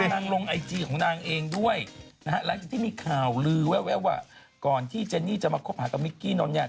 นางลงไอจีของนางเองด้วยแล้วที่มีข่าวลือว่าก่อนที่เจนี่จะมาคบหากับมิกกี้นอนเนี่ย